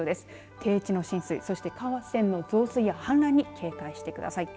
低地の浸水、そして河川の増水やはん濫に警戒してください。